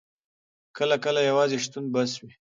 کله کله یوازې شتون بس وي.